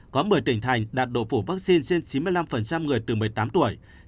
có một mươi tỉnh thành đạt độ phủ vaccine trên chín mươi năm người từ một mươi tám tuổi